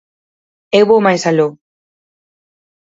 Eu vou máis aló.